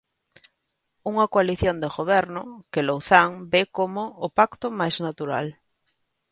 Unha "coalición de goberno" que Louzán ve como o "pacto máis natural".